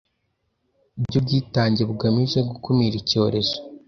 by’ubwitange bugamije gukumira icyorezo